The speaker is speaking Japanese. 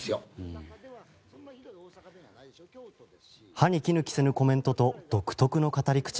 歯に衣着せぬコメントと独特の語り口。